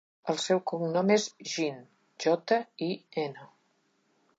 El seu cognom és Jin: jota, i, ena.